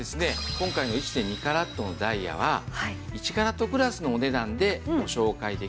今回の１．２カラットのダイヤは１カラットクラスのお値段でご紹介できるというのがですね